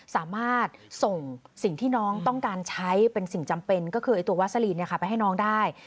สามารถส่งสิ่งที่น้องต้องการใช้เป็นสิ่งจำเป็นก็คือตัววัสลีนไปให้น้องได้